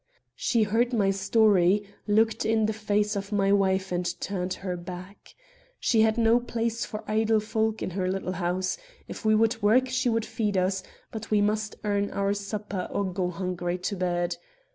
She heard my story; looked in the face of my wife and turned her back. She had no place for idle folk in her little house; if we would work she would feed us; but we must earn our supper or go hungry to bed.